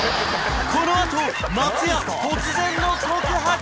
このあと松也突然の告白！